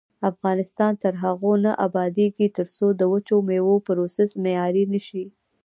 افغانستان تر هغو نه ابادیږي، ترڅو د وچو میوو پروسس معیاري نشي.